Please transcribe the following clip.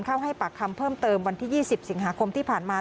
เข้าให้ปากคำเพิ่มเติมวันที่๒๐สิงหาคมที่ผ่านมา